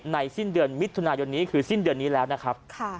สิ้นเดือนมิถุนายนนี้คือสิ้นเดือนนี้แล้วนะครับ